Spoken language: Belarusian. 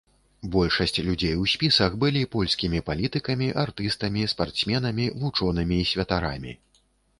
Большасць людзей у спісах былі польскімі палітыкамі, артыстамі, спартсменамі, вучонымі і святарамі.